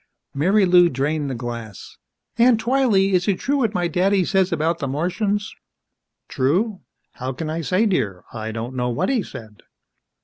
Marilou drained the glass. "Aunt Twylee is it true what my daddy says about the Martians?" "True? How can I say, dear? I don't know what he said."